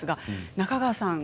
中川さん